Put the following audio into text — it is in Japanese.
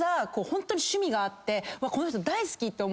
ホントに趣味が合ってこの人大好き！